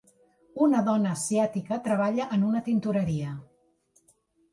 Una dona asiàtica treballa en una tintoreria.